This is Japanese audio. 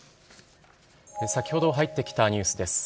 先ほど入ってきたニュースです。